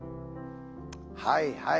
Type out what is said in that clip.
はいはい。